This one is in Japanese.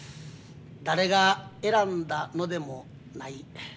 「誰が選んだのでもない。